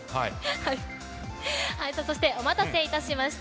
そして、お待たせしました。